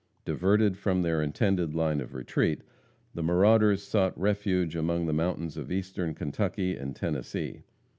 Diverted from their intended line of retreat, the marauders sought refuge among the mountains of Eastern Kentucky and Tennessee.